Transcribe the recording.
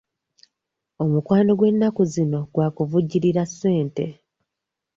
Omukwano gw'ennaku zino gwa kuvujjirira ssente.